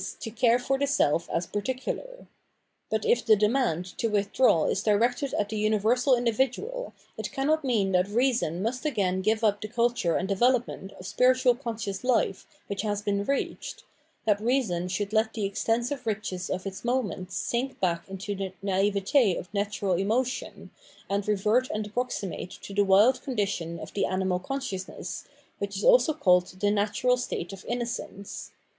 to care for the self as particular. But if the demand to withdraw is directed at the universal individual, it cannot mean that reason must again give up the culture and development of spiritual conscious hfe which has been reached, that reason should let the extensive riches of its moments sink back into the naivete of natural emotion, and revert and approximate to the wild condition of the animal consciousness, which is also called the natural state of innocence.